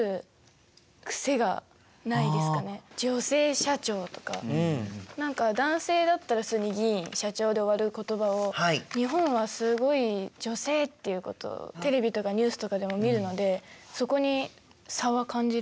女性社長とか何か男性だったら普通に「議員」「社長」で終わる言葉を日本はすごい「女性」っていうことをテレビとかニュースとかでも見るのでそこに差は感じるなって思って。